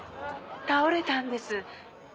倒れたんです